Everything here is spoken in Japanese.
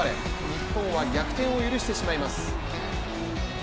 日本は逆転を許してしまいます。